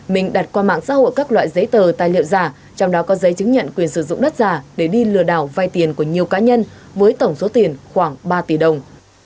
mình đặt qua mạng xã hội các loại giấy tờ tài liệu giả trong đó có giấy chứng nhận quyền sử dụng đất giả để đi lừa đảo vay tiền của nhiều cá nhân với tổng số tiền khoảng ba tỷ đồng